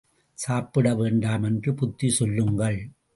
சாப்பிட வேண்டாமென்று புத்தி சொல்லுங்கள்.